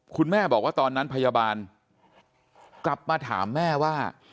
คุณแม่บอกว่าตอนนั้นพยาบาลกลับมาถามแม่ว่า